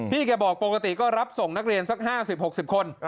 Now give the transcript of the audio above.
แกบอกปกติก็รับส่งนักเรียนสัก๕๐๖๐คน